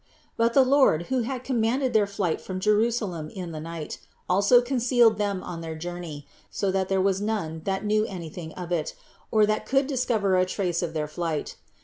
But the Lord, who had commanded their flight from Jerusalem in the night, also concealed them on their journey, so that there was none that knew any thing of it, or that could discover a trace of their flight.